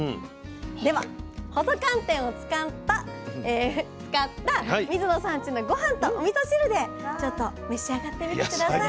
では細寒天を使った水野さんちのごはんとおみそ汁でちょっと召し上がってみて下さい。